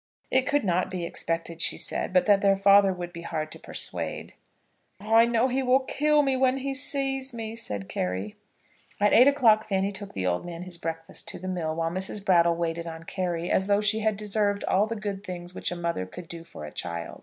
It could not be expected, she said, but that their father would be hard to persuade. "I know that he will kill me when he sees me," said Carry. At eight o'clock Fanny took the old man his breakfast to the mill, while Mrs. Brattle waited on Carry, as though she had deserved all the good things which a mother could do for a child.